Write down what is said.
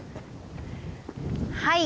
はい。